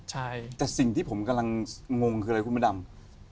ใช่แต่สิ่งที่ผมกำลังงงคืออะไรคุณพระดำ